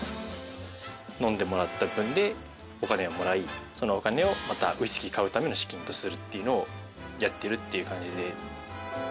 飲んでもらった分でお金をもらいそのお金をまたウイスキー買うための資金とするっていうのをやってるっていう感じで。